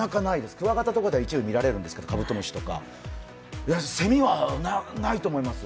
クワガタとかでは一応見られるんですけど、カブトムシとかセミはないと思います。